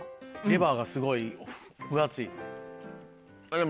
レバーがすごい分厚い。